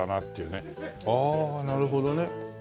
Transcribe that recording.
ああなるほどね。